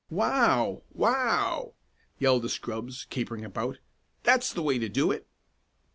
"Wow! Wow!" yelled the scrubs, capering about. "That's the way to do it!"